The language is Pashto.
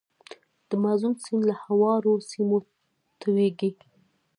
د مازون سیند له هوارو سیمو تویږي.